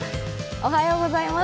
おはようございます。